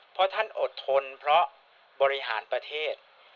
เพราะท่านอดทนเพราะบริหารประเทศ